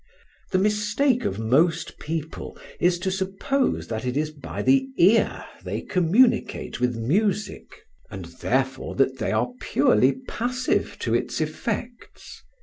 The mistake of most people is to suppose that it is by the ear they communicate with music, and therefore that they are purely passive to its effects.